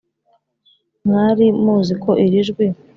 mwari muzi ko iri jwi